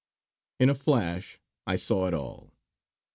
In a flash I saw it all.